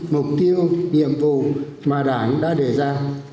mục tiêu nhiệm vụ mà đảng đã đề ra